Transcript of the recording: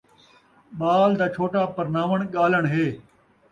ٻال دا چھوٹا پرناوݨ، ڳالݨ ہے